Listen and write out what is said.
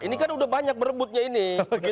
ini kan udah banyak berebutnya ini